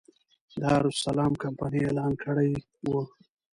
دارالسلام کمپنۍ اعلان کړی و.